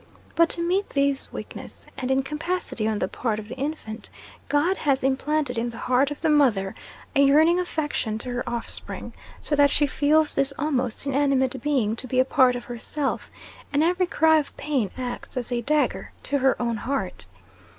But to meet this weakness and incapacity on the part of the infant, God has implanted in the heart of the mother a yearning affection to her offspring, so that she feels this almost inanimate being to be a part of herself, and every cry of pain acts as a dagger to her own heart.